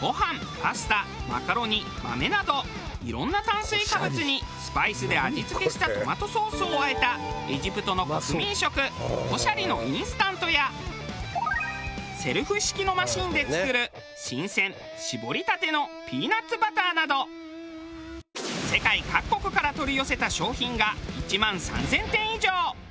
ご飯パスタマカロニ豆などいろんな炭水化物にスパイスで味付けしたトマトソースをあえたエジプトの国民食コシャリのインスタントやセルフ式のマシンで作る新鮮搾りたてのピーナッツバターなど世界各国から取り寄せた商品が１万３０００点以上！